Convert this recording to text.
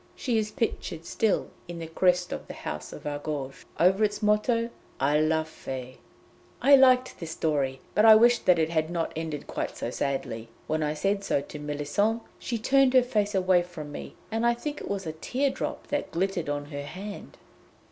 She is pictured still in the crest of the house of Argouges, over its motto, 'A la Fe!'" I liked this story, but I wished that it had not ended quite so sadly. When I said so to Méllisande she turned her face away from me, and I think it was a tear drop that glittered on her hand.